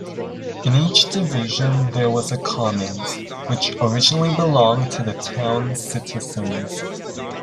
In each division there was a commons, which originally belonged to the town's citizens.